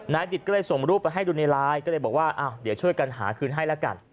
ดิตก็เลยส่งรูปไปให้ดูในไลน์ก็เลยบอกว่าอ้าวเดี๋ยวช่วยกันหาคืนให้แล้วกัน